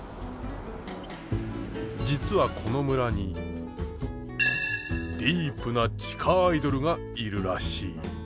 実はこの村にディープな地下アイドルがいるらしい。